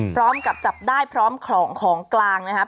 พร้อมกับจับได้พร้อมของของกลางนะครับ